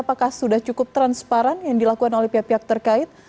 apakah sudah cukup transparan yang dilakukan oleh pihak pihak terkait